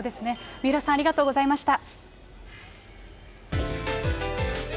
三浦さん、ありがとうございました。